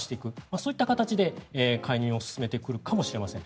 そういった形で介入を進めてくるかもしれません。